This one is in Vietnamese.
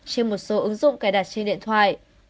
trên một số ứng dụng cài đặt trên điện thoại